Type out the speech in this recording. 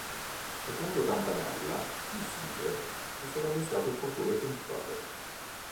Secondo Campanella, Kissinger ne sarebbe stato il fautore principale.